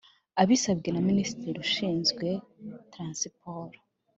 abisabwe na Minisitiri ushinzwe Transiporo.